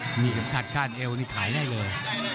ใช่มีกับคาดคาดเอลนี่ขายได้เลย